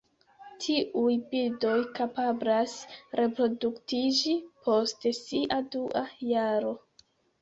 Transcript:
Tiuj birdoj kapablas reproduktiĝi post sia dua jaro.